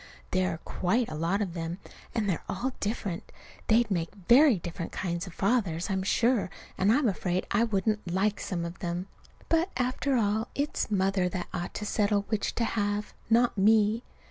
There are quite a lot of them, and they're all different. They'd make very different kinds of fathers, I'm sure, and I'm afraid I wouldn't like some of them. But, after all, it's Mother that ought to settle which to have not me.